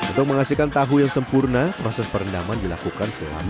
untuk menghasilkan tahu yang sempurna proses perendaman dilakukan selama